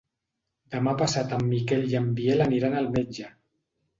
Demà passat en Miquel i en Biel aniran al metge.